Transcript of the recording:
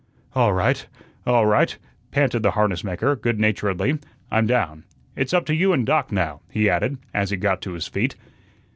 "All right, all right," panted the harness maker, goodnaturedly, "I'm down. It's up to you and Doc now," he added, as he got to his feet.